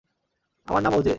আমার নাম ওজে।